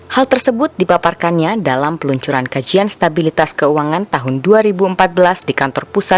hal tersebut dipaparkannya dalam peluncuran kajian stabilitas keuangan tahun dua ribu empat belas di kantor pusat